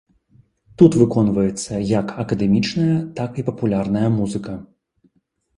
Тут выконваецца як акадэмічная, так і папулярная музыка.